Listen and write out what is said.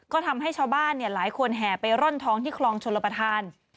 ก็ทำให้ชาวบ้านหลายคนแห่ไปร่อนท้องที่คลองชลประธาน